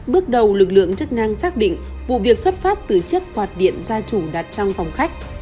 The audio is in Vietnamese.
bước đầu lực lượng chức năng xác định vụ việc xuất phát từ chiếc quạt điện gia chủ đặt trong phòng khách